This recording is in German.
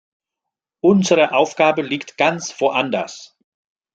Unsere Aufgabe liegt ganz woanders.